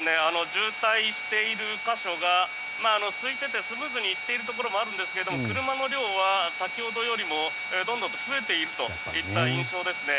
渋滞している箇所がすいていてスムーズに行っているところもあるんですが車の量は先ほどよりもどんどんと増えているという印象ですね。